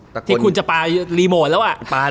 ที่คุณจะปารีโหมดแล้วอะ